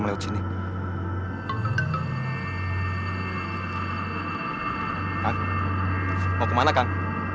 kang nurdin kang